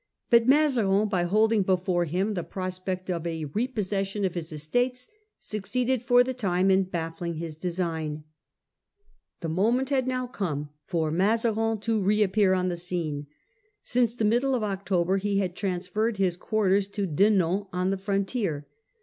But Mazarin, by holding before him the prospect of a re possession of his estates, succeeded for the time in baffling this design. The moment had now come for Mazarin to reappear on the scene. Since the middle of October he had Return of transferred his quarters to Dinant, on the Mazann. frontier.